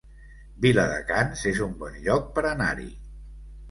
Viladecans es un bon lloc per anar-hi